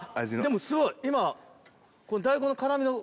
でもすごい今。